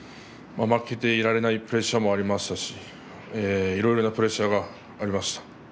負けていられないプレッシャーもありましたしいろいろなプレッシャーがありました。